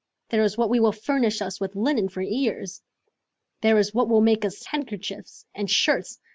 There is what will furnish us with linen for years. There is what will make us handkerchiefs and shirts!